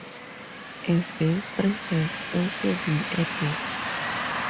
A vestry has also been added.